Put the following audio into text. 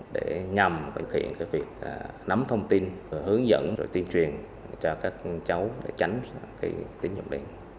để nhằm thực hiện việc nắm thông tin hướng dẫn tiên truyền cho các cháu để tránh tín dụng đen